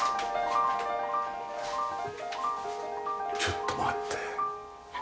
ちょっと待って。